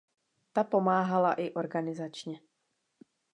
Ta pomáhala i organizačně.